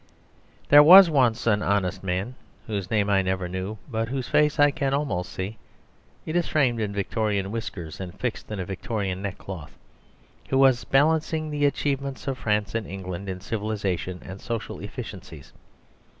There was once an honest man, whose name I never knew, but whose face I can almost see (it is framed in Victorian whiskers and fixed in a Victorian neck cloth), who was balancing the achievements of France and England in civilisation and social efficiencies.